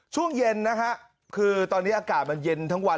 ช่วงเย็นนะฮะคือตอนนี้อากาศมันเย็นทั้งวัน